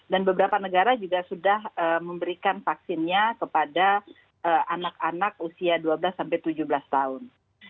dan beberapa negara juga sudah memberikan vaksinnya kepada anak anak usia dua belas sampai tujuh belas tahun